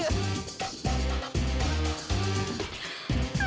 gak mau udah loh